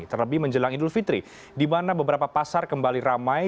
terlebih menjelang idul fitri dimana beberapa pasar kembali ramai